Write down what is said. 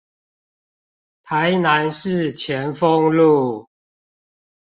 台南市前鋒路